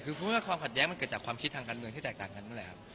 คือพูดว่าความขัดแย้งมันเกิดจากความคิดทางการเมืองที่แตกต่างกันนั่นแหละครับ